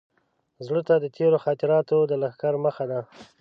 زړه ته د تېرو خاطراتو د لښکر مخه ده.